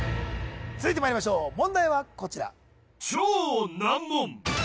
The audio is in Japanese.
続いてまいりましょう問題はこちら